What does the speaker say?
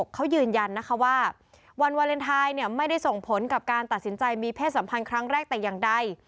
เขายืนยันนะคะว่าวันวาเลนไทยไม่ได้ส่งผลกับการตัดสินใจมีเพศสัมพันธ์ครั้งแรกแต่อย่างใด